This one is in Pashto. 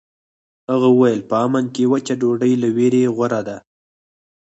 هغه وویل په امن کې وچه ډوډۍ له ویرې غوره ده.